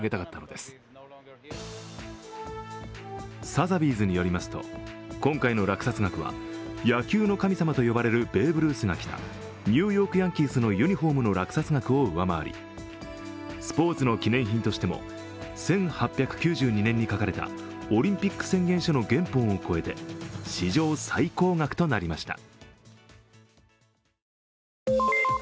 サザビーズによりますと今回の落札額は野球の神様と呼ばれるベーブ・ルースが着たニューヨーク・ヤンキースのユニフォームの落札額を上回りスポーツの記念品としても１８９２年に書かれたオリンピック宣誓書の原本を超えて史上最高額となりました。